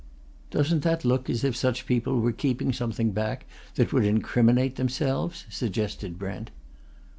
"Doesn't that look as if such people were keeping something back that would incriminate themselves?" suggested Brent.